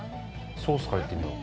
ソースから行ってみよう。